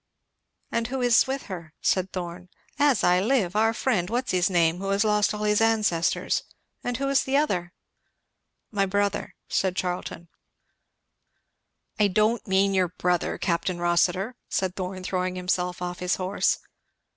"And who is with her?" said Thorn. "As I live! our friend what's his name? who has lost all his ancestors. And who is the other?" "My brother," said Charlton. "I don't mean your brother, Capt. Rossitur," said Thorn throwing himself off his horse.